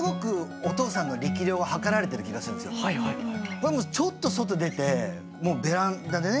これもうちょっと外出てもうベランダでね